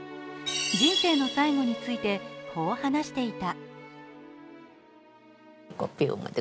人生の最期について、こう話していた。